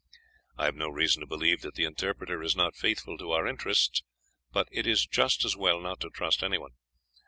I have no reason to believe that the interpreter is not faithful to our interests, but it is just as well not to trust anyone.